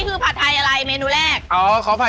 เพราะว่าเราเหนื่อย